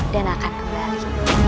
dan akan kembali